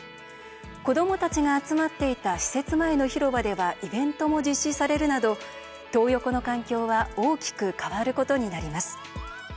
子どもたちが集まっていた施設前の広場ではイベントも実施されるなど「トー横」の環境は大きく変わることになります。